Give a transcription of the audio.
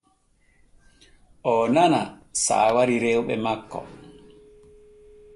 O nana saawari rewɓe makko.